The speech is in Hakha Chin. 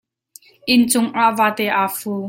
Inn cungah vate aa fu.